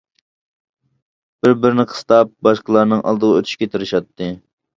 بىر-بىرىنى قىستاپ باشقىلارنىڭ ئالدىغا ئۆتۈشكە تىرىشاتتى.